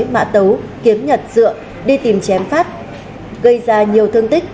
mã tấu kiếm nhật dựa đi tìm chém phát gây ra nhiều thương tích